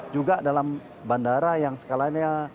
juga dalam bandara yang skalanya